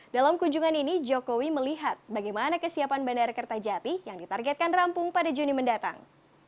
dalam kunjungan ini jokowi melihat bagaimana kesiapan bandara kertajati yang ditargetkan rampung pada juni mendatang